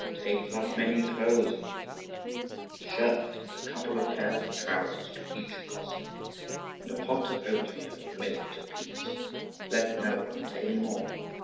Take not many clothes with you: a shirt and a couple of pairs of trousers to each Cossack, and a pot of oatmeal and millet apiece let no one take any more.